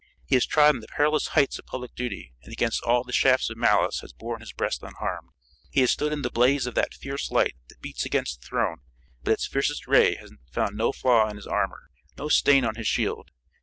He has trodden the perilous heights of public duty, and against all the shafts of malice has borne his breast unharmed. He has stood in the blaze of 'that fierce light that beats against the throne,' but its fiercest ray has found no flaw in his armor, no stain on his shield.